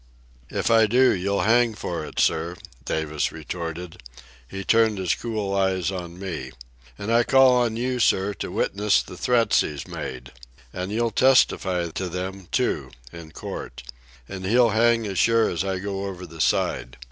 "If I do, you'll hang for it, sir," Davis retorted. He turned his cool eyes on me. "An' I call on you, sir, to witness the threats he's made. An' you'll testify to them, too, in court. An' he'll hang as sure as I go over the side.